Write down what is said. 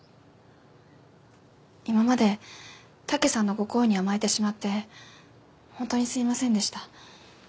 今まで武さんのご好意に甘えてしまってホントにすいませんでした。